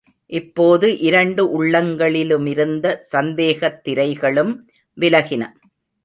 இப்போது இரண்டு உள்ளங்களிலுமிருந்த சந்தேகத்திரைகளும் விலகின.